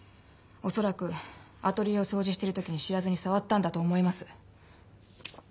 恐らくアトリエを掃除してる時に知らずに触ったんだと思います。